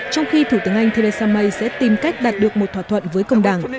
trong khi thủ tướng anh theresa may sẽ tìm cách đạt được một thỏa thuận với công đảng